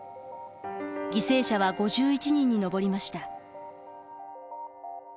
犠牲者は５１人に上りました。